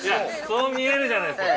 ◆そう見えるじゃないですか。